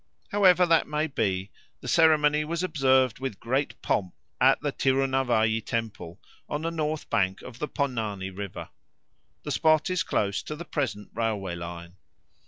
However that may be, the ceremony was observed with great pomp at the Tirunavayi temple, on the north bank of the Ponnani River. The spot is close to the present railway line.